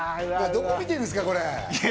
どこ見てんすか、これ？